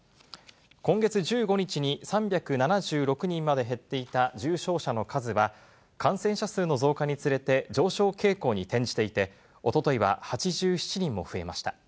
今月１５日に３７６人まで減っていた重症者の数は、感染者数の増加につれて上昇傾向に転じていて、おとといは８７人も増えました。